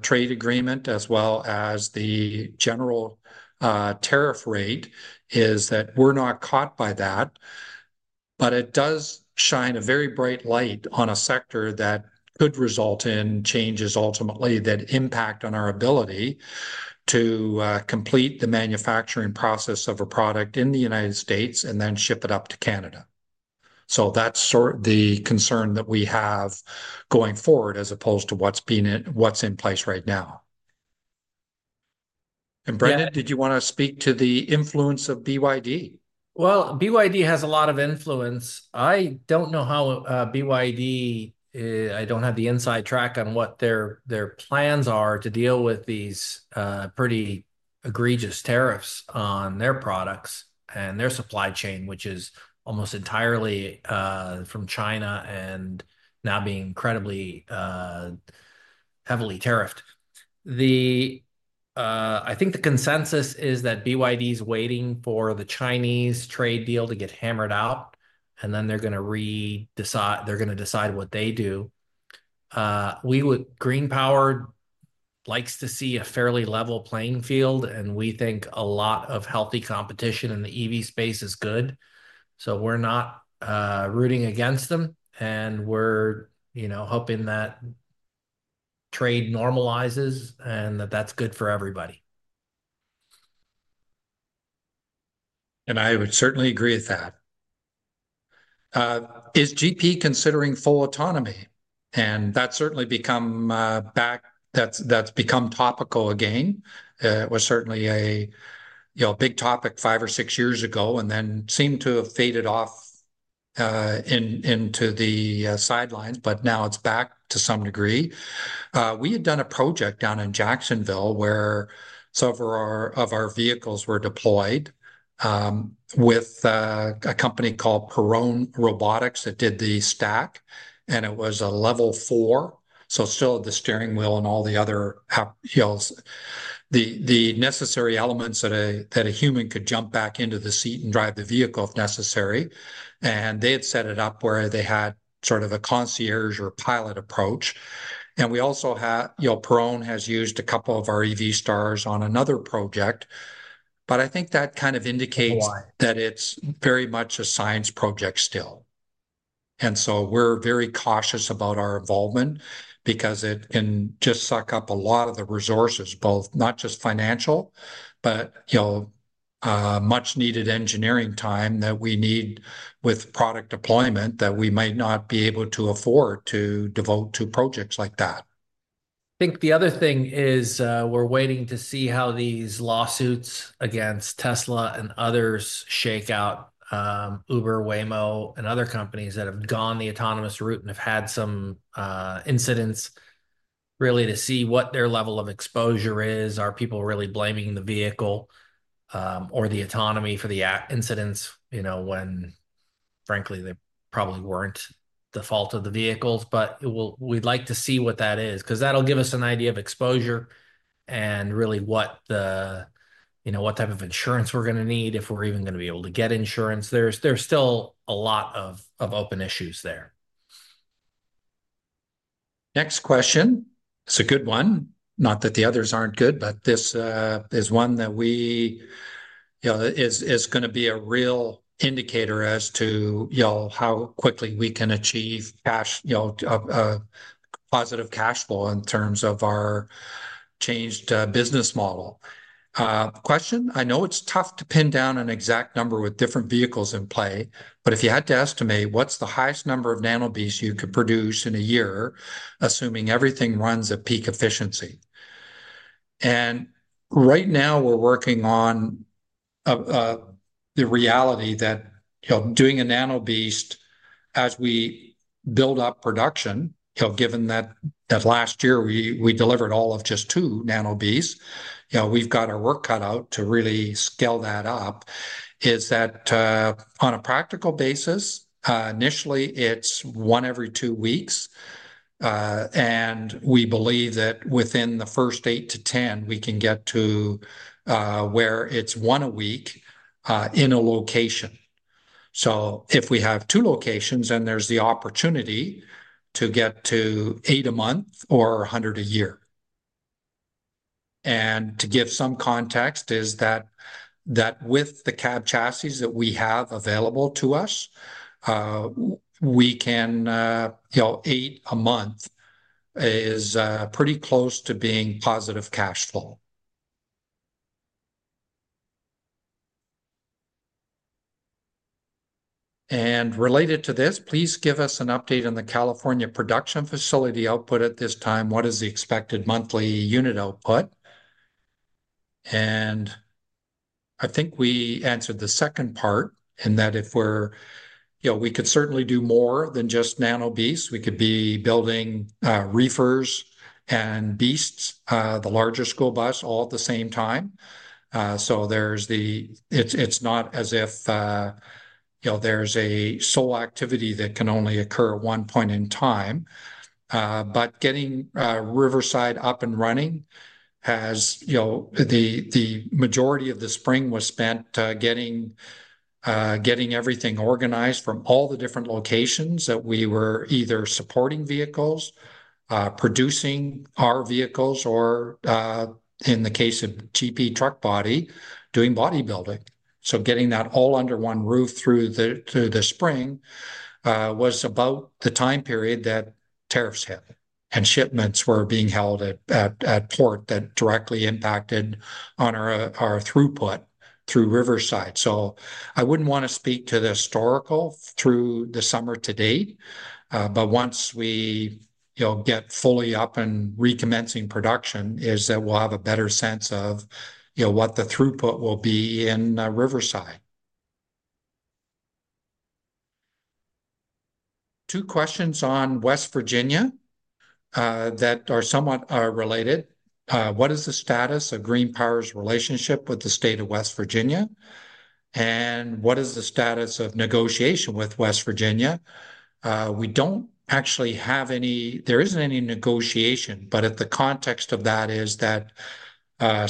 [SPEAKER 2] trade agreement, as well as the general tariff rate, is that we're not caught by that. It does shine a very bright light on a sector that could result in changes ultimately that impact on our ability to complete the manufacturing process of a product in the United States and then ship it up to Canada. That's sort of the concern that we have going forward as opposed to what's in place right now. Brendan, did you want to speak to the influence of BYD?
[SPEAKER 3] BYD has a lot of influence. I don't know how BYD, I don't have the inside track on what their plans are to deal with these pretty egregious tariffs on their products and their supply chain, which is almost entirely from China and now being incredibly heavily tariffed. I think the consensus is that BYD is waiting for the Chinese trade deal to get hammered out, and then they're going to decide what they do. GreenPower likes to see a fairly level playing field, and we think a lot of healthy competition in the EV space is good. We're not rooting against them, and we're hoping that trade normalizes and that that's good for everybody.
[SPEAKER 2] I would certainly agree with that. Is GP considering full autonomy? That's certainly become topical again. It was certainly a big topic five or six years ago and then seemed to have faded off into the sidelines, but now it's back to some degree. We had done a project down in Jacksonville where several of our vehicles were deployed with a company called Perrone Robotics that did the stack, and it was a level four. Still the steering wheel and all the other necessary elements that a human could jump back into the seat and drive the vehicle if necessary. They had set it up where they had sort of a concierge or pilot approach. Perrone has used a couple of our EV Star vehicles on another project. I think that kind of indicates that it's very much a science project still. We're very cautious about our involvement because it can just suck up a lot of the resources, both not just financial, but much needed engineering time that we need with product deployment that we might not be able to afford to devote to projects like that.
[SPEAKER 3] I think the other thing is we're waiting to see how these lawsuits against Tesla and others shake out. Uber, Waymo, and other companies that have gone the autonomous route and have had some incidents, really to see what their level of exposure is. Are people really blaming the vehicle or the autonomy for the incidents, you know, when frankly they probably weren't the fault of the vehicles? We'd like to see what that is because that'll give us an idea of exposure and really what type of insurance we're going to need if we're even going to be able to get insurance. There's still a lot of open issues there.
[SPEAKER 2] Next question. It's a good one. Not that the others aren't good, but this is one that is going to be a real indicator as to how quickly we can achieve a positive cash flow in terms of our changed business model. Question, I know it's tough to pin down an exact number with different vehicles in play, but if you had to estimate, what's the highest number of Nano BEASTs you could produce in a year, assuming everything runs at peak efficiency? Right now we're working on the reality that doing a Nano BEAST as we build up production, given that last year we delivered all of just two Nano BEASTs, we've got our work cut out to really scale that up. On a practical basis, initially it's one every two weeks. We believe that within the first eight to ten, we can get to where it's one a week in a location. If we have two locations, then there's the opportunity to get to eight a month or 100 a year. To give some context, with the cab chassis that we have available to us, eight a month is pretty close to being positive cash flow. Related to this, please give us an update on the California production facility output at this time. What is the expected monthly unit output? I think we answered the second part in that we could certainly do more than just Nano BEASTs. We could be building reefers and BEASTs, the larger school bus, all at the same time. It's not as if there's a sole activity that can only occur at one point in time. Getting Riverside up and running has, the majority of the spring was spent getting everything organized from all the different locations that we were either supporting vehicles, producing our vehicles, or in the case of GP Truck Body, doing bodybuilding. Getting that all under one roof through the spring was about the time period that tariffs hit and shipments were being held at port that directly impacted on our throughput through Riverside. I wouldn't want to speak to the historical through the summer to date, but once we get fully up and recommencing production, we'll have a better sense of what the throughput will be in Riverside. Two questions on West Virginia that are somewhat related. What is the status of GreenPower's relationship with the state of West Virginia? What is the status of negotiation with West Virginia? We don't actually have any, there isn't any negotiation. The context of that is that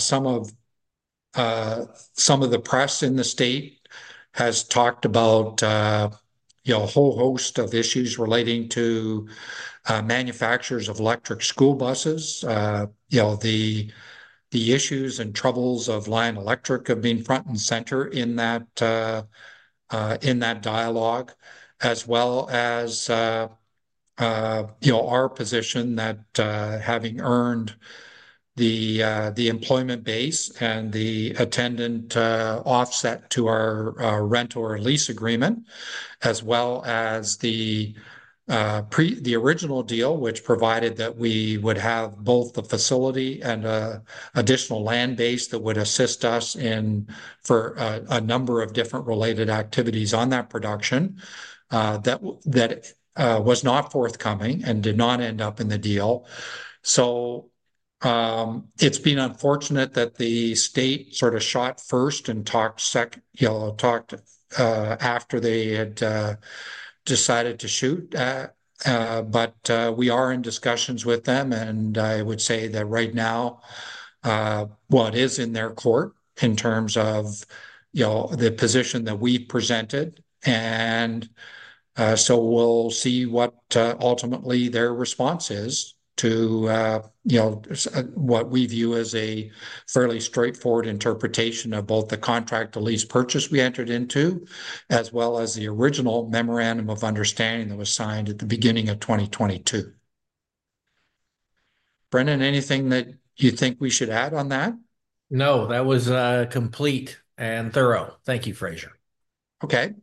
[SPEAKER 2] some of the press in the state has talked about a whole host of issues relating to manufacturers of electric school buses. You know, the issues and troubles of Lion Electric have been front and center in that dialogue, as well as our position that having earned the employment base and the attendant offset to our rent or lease agreement, as well as the original deal, which provided that we would have both the facility and an additional land base that would assist us in a number of different related activities on that production that was not forthcoming and did not end up in the deal. It's been unfortunate that the state sort of shot first and talked after they had decided to shoot. We are in discussions with them, and I would say that right now, what is in their court in terms of the position that we presented. We'll see what ultimately their response is to what we view as a fairly straightforward interpretation of both the contract to lease purchase we entered into, as well as the original memorandum of understanding that was signed at the beginning of 2022. Brendan, anything that you think we should add on that?
[SPEAKER 3] No, that was complete and thorough. Thank you, Fraser.
[SPEAKER 2] Okay.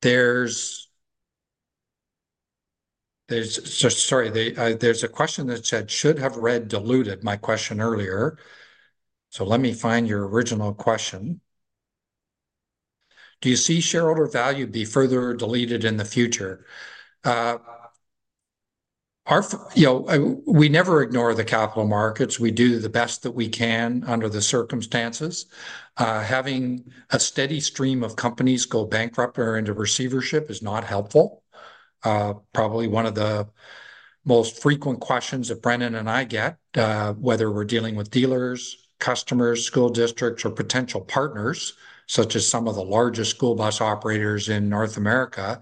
[SPEAKER 2] There's a question that said, "Should have read diluted," my question earlier. Let me find your original question. Do you see shareholder value be further diluted in the future? We never ignore the capital markets. We do the best that we can under the circumstances. Having a steady stream of companies go bankrupt or into receivership is not helpful. Probably one of the most frequent questions that Brendan and I get, whether we're dealing with dealers, customers, school districts, or potential partners, such as some of the largest school bus operators in North America,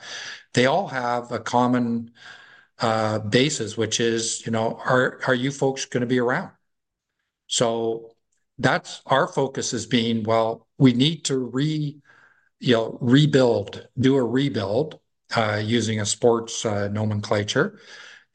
[SPEAKER 2] they all have a common basis, which is, you know, are you folks going to be around? That's our focus as being, we need to rebuild, do a rebuild using a sports nomenclature.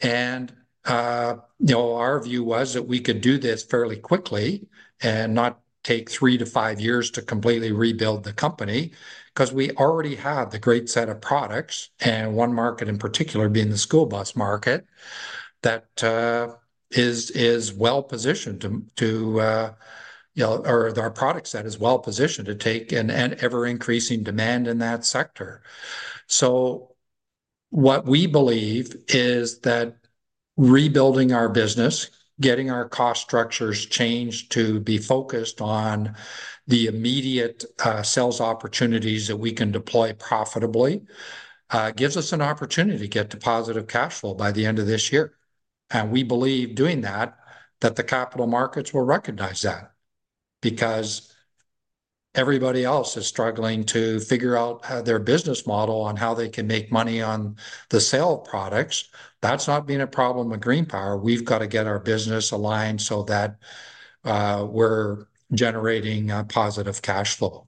[SPEAKER 2] Our view was that we could do this fairly quickly and not take three to five years to completely rebuild the company because we already have the great set of products and one market in particular being the school bus market that is well positioned to, you know, our product set is well positioned to take an ever-increasing demand in that sector. We believe that rebuilding our business, getting our cost structures changed to be focused on the immediate sales opportunities that we can deploy profitably gives us an opportunity to get to positive cash flow by the end of this year. We believe doing that, the capital markets will recognize that because everybody else is struggling to figure out their business model on how they can make money on the sale of products. That's not been a problem with GreenPower. We've got to get our business aligned so that we're generating a positive cash flow.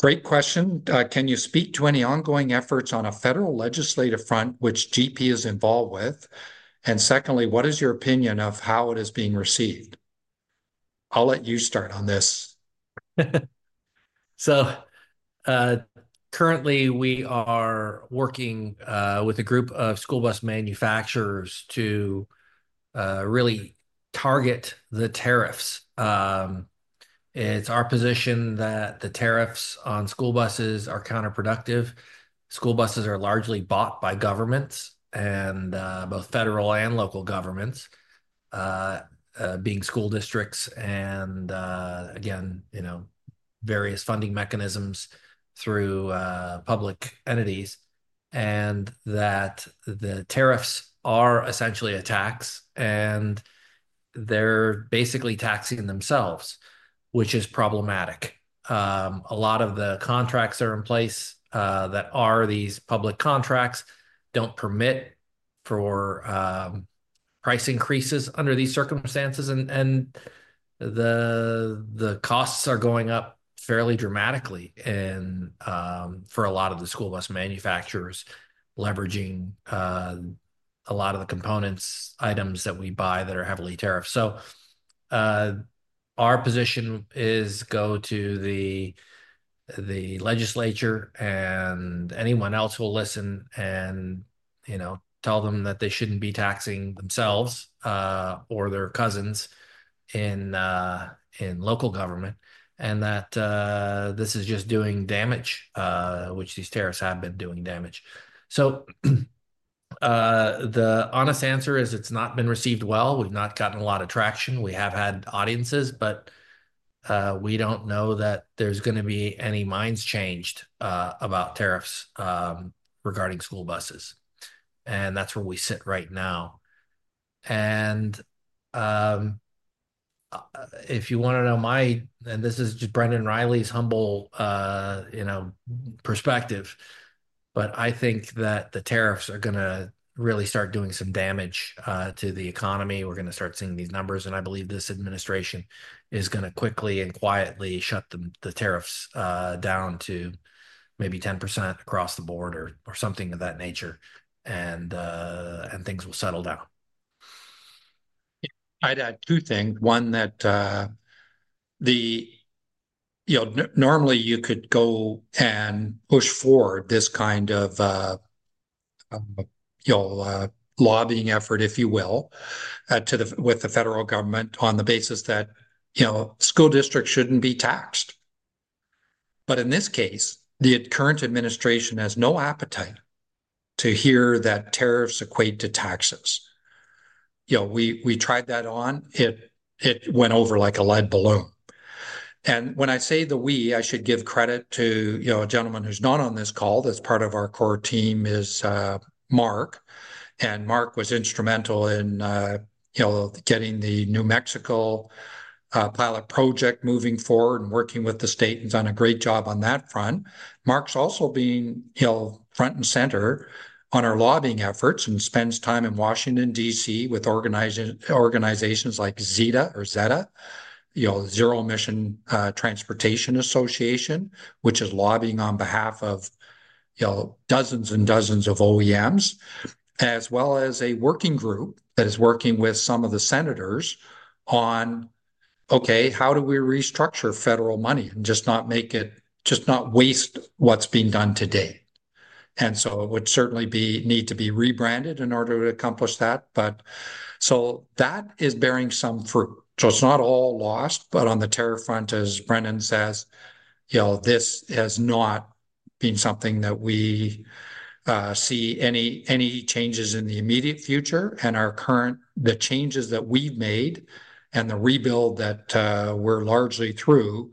[SPEAKER 2] Great question. Can you speak to any ongoing efforts on a federal legislative front which GP is involved with? Secondly, what is your opinion of how it is being received? I'll let you start on this.
[SPEAKER 3] Currently, we are working with a group of school bus manufacturers to really target the tariffs. It's our position that the tariffs on school buses are counterproductive. School buses are largely bought by governments and both federal and local governments, being school districts and, again, various funding mechanisms through public entities. The tariffs are essentially a tax, and they're basically taxing themselves, which is problematic. A lot of the contracts that are in place that are these public contracts don't permit price increases under these circumstances, and the costs are going up fairly dramatically for a lot of the school bus manufacturers leveraging a lot of the components, items that we buy that are heavily tariffed. Our position is to go to the legislature and anyone else who will listen and tell them that they shouldn't be taxing themselves or their cousins in local government and that this is just doing damage, which these tariffs have been doing damage. The honest answer is it's not been received well. We've not gotten a lot of traction. We have had audiences, but we don't know that there's going to be any minds changed about tariffs regarding school buses. That's where we sit right now. If you want to know my, and this is just Brendan Riley's humble perspective, I think that the tariffs are going to really start doing some damage to the economy. We're going to start seeing these numbers, and I believe this administration is going to quickly and quietly shut the tariffs down to maybe 10% across the board or something of that nature, and things will settle down.
[SPEAKER 2] I'd add two things. One that, you know, normally you could go and push forward this kind of lobbying effort, if you will, with the federal government on the basis that, you know, school districts shouldn't be taxed. In this case, the current administration has no appetite to hear that tariffs equate to taxes. We tried that on. It went over like a lead balloon. When I say we, I should give credit to a gentleman who's not on this call that's part of our core team, Mark. Mark was instrumental in getting the New Mexico pilot project moving forward and working with the state and has done a great job on that front. Mark's also been front and center on our lobbying efforts and spends time in Washington, D.C., with organizations like ZETA, Zero Emission Transportation Association, which is lobbying on behalf of dozens and dozens of OEMs, as well as a working group that is working with some of the senators on how do we restructure federal money and just not waste what's being done today. It would certainly need to be rebranded in order to accomplish that. That is bearing some fruit. It's not all lost, but on the tariff front, as Brendan says, this has not been something that we see any changes in the immediate future. The changes that we've made and the rebuild that we're largely through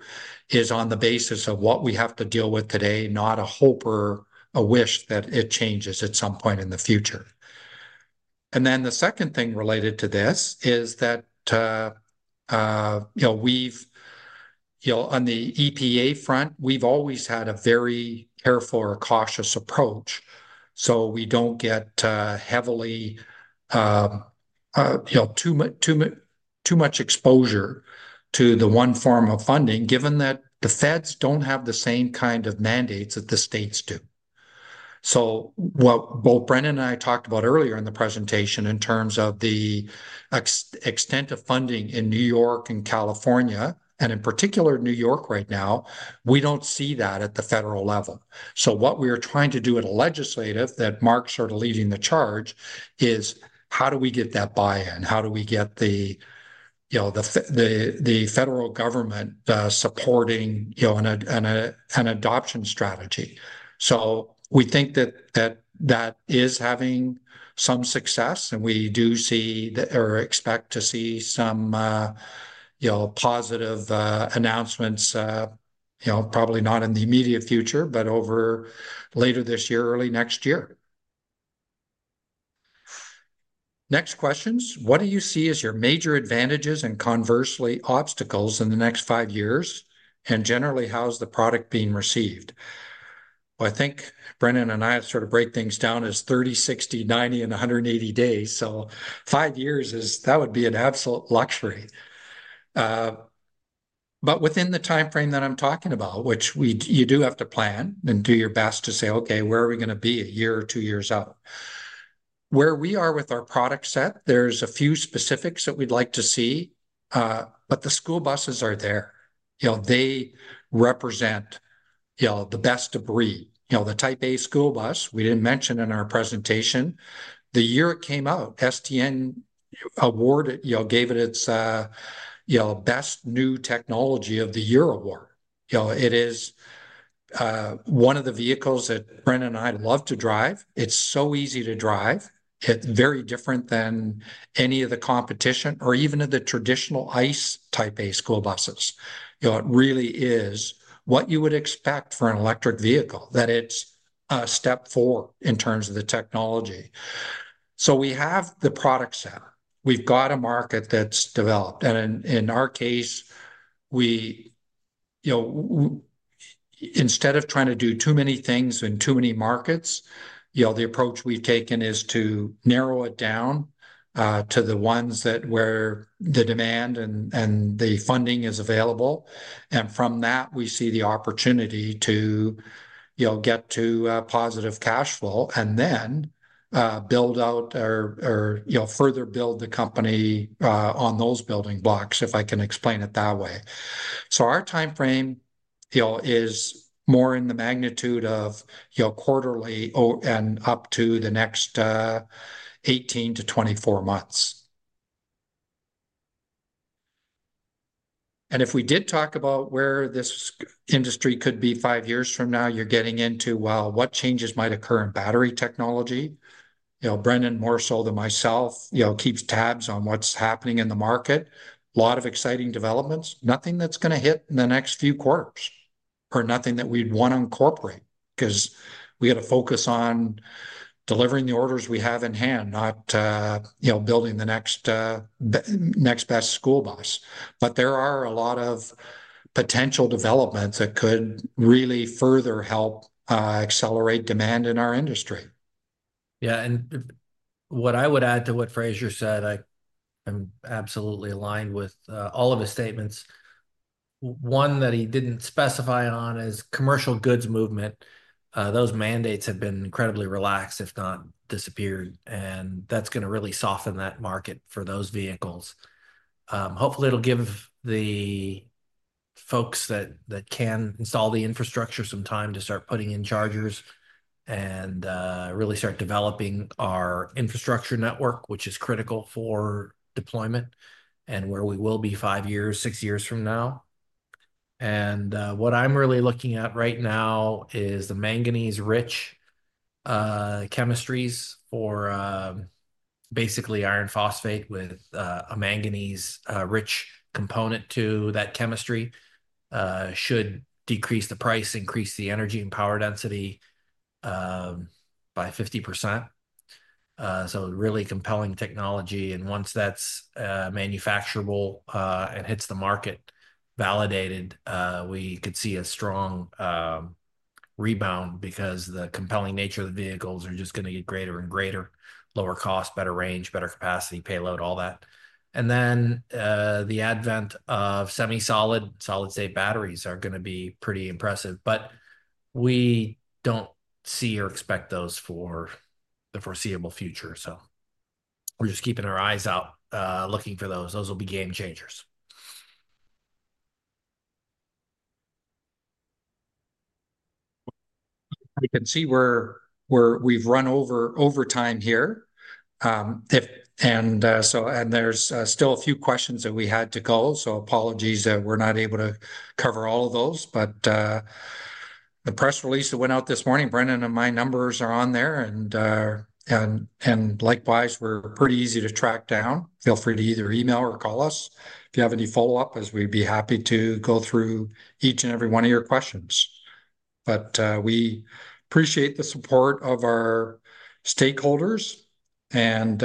[SPEAKER 2] is on the basis of what we have to deal with today, not a hope or a wish that it changes at some point in the future. The second thing related to this is that on the EPA front, we've always had a very careful or cautious approach so we don't get too much exposure to the one form of funding, given that the feds don't have the same kind of mandates that the states do. What both Brendan and I talked about earlier in the presentation in terms of the extent of funding in New York and California, and in particular New York right now, we don't see that at the federal level. What we are trying to do at a legislative level that Mark's sort of leading the charge is how do we get that buy-in, how do we get the federal government supporting an adoption strategy. We think that that is having some success, and we do see or expect to see some positive announcements, probably not in the immediate future, but over later this year, early next year. Next questions. What do you see as your major advantages and conversely obstacles in the next five years? Generally, how's the product being received? I think Brendan and I have sort of break things down as 30, 60, 90, and 180 days. Five years is, that would be an absolute luxury. Within the timeframe that I'm talking about, which you do have to plan and do your best to say, okay, where are we going to be a year or two years out? Where we are with our product set, there's a few specifics that we'd like to see, but the school buses are there. They represent the best of breed. The Type A school bus, we didn't mention in our presentation, the year it came out, STN awarded, gave it its best new technology of the year award. It is one of the vehicles that Brendan and I love to drive. It's so easy to drive. It's very different than any of the competition or even of the traditional ICE Type A school buses. It really is what you would expect for an electric vehicle, that it's a step forward in terms of the technology. We have the product set. We've got a market that's developed. In our case, instead of trying to do too many things in too many markets, the approach we've taken is to narrow it down to the ones where the demand and the funding is available. From that, we see the opportunity to get to positive cash flow and then build out or further build the company on those building blocks, if I can explain it that way. Our timeframe is more in the magnitude of quarterly and up to the next 18 months to 24 months. If we did talk about where this industry could be five years from now, you're getting into what changes might occur in battery technology. Brendan, more so than myself, keeps tabs on what's happening in the market. A lot of exciting developments. Nothing that's going to hit in the next few quarters or nothing that we'd want to incorporate because we had to focus on delivering the orders we have in hand, not building the next best school bus. There are a lot of potential developments that could really further help accelerate demand in our industry.
[SPEAKER 3] Yeah, and what I would add to what Fraser said, I'm absolutely aligned with all of his statements. One that he didn't specify on is commercial goods movement. Those mandates have been incredibly relaxed, if not disappeared, and that's going to really soften that market for those vehicles. Hopefully, it'll give the folks that can install the infrastructure some time to start putting in chargers and really start developing our infrastructure network, which is critical for deployment and where we will be five years, six years from now. What I'm really looking at right now is the manganese-rich chemistries for basically iron phosphate with a manganese-rich component to that chemistry should decrease the price, increase the energy and power density by 50%. Really compelling technology. Once that's manufacturable and hits the market, validated, we could see a strong rebound because the compelling nature of the vehicles are just going to get greater and greater, lower cost, better range, better capacity, payload, all that. The advent of semi-solid, solid-state batteries are going to be pretty impressive, but we don't see or expect those for the foreseeable future. We're just keeping our eyes out looking for those. Those will be game changers.
[SPEAKER 2] We can see where we've run over time here, and there's still a few questions that we had to go. Apologies that we're not able to cover all of those. The press release that went out this morning, Brendan and my numbers are on there. Likewise, we're pretty easy to track down. Feel free to either email or call us if you have any follow-up, as we'd be happy to go through each and every one of your questions. We appreciate the support of our stakeholders and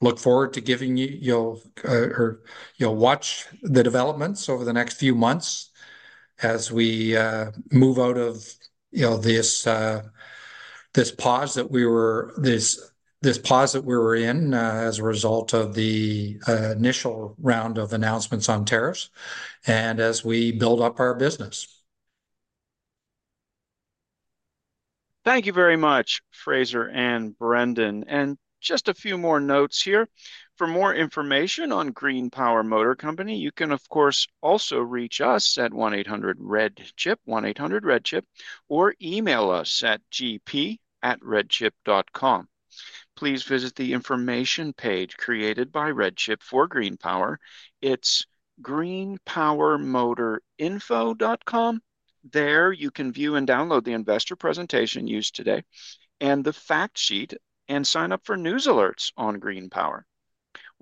[SPEAKER 2] look forward to giving you, you know, or you'll watch the developments over the next few months as we move out of, you know, this pause that we were in as a result of the initial round of announcements on tariffs and as we build up our business.
[SPEAKER 1] Thank you very much, Fraser and Brendan. Just a few more notes here. For more information on GreenPower Motor Company, you can, of course, also reach us at 1-800-REDCHIP or email us at gp@redchip.com. Please visit the information page created by RedChip for GreenPower. It's greenpowermotorinfo.com. There you can view and download the investor presentation used today and the factsheet, and sign up for news alerts on GreenPower.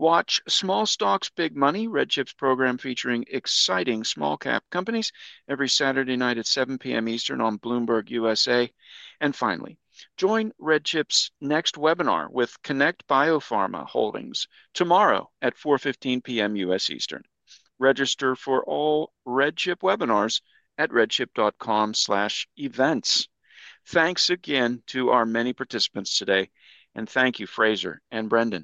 [SPEAKER 1] Watch "Small Stocks, Big Money: RedChip's Program" featuring exciting small-cap companies every Saturday night at 7:00 P.M. Eastern on Bloomberg USA. Finally, join RedChip's next webinar with Connect Biopharma Holdings tomorrow at 4:15 P.M. U.S. Eastern. Register for all RedChip webinars at redchip.com/events. Thanks again to our many participants today, and thank you, Fraser and Brendan.